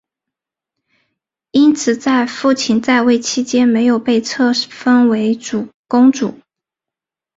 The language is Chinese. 因此在父亲在位期间没有被册封为公主。